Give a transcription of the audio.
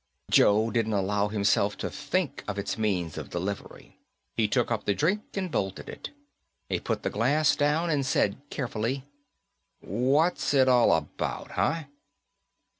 Joe didn't allow himself to think of its means of delivery. He took up the drink and bolted it. He put the glass down and said carefully, "What's it all about, huh?"